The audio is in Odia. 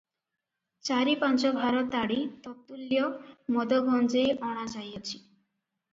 ଚାରି ପାଞ୍ଚ ଭାର ତାଡ଼ି, ତତ୍ତୁଲ୍ୟ ମଦ ଗଞ୍ଜେଇ ଅଣା ଯାଇଅଛି ।